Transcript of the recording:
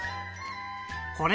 「これ」